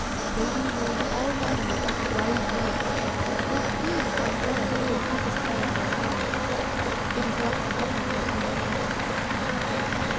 Baby knows all manner of wise words, though few on earth can understand their meaning. It is not for nothing that he never wants to speak.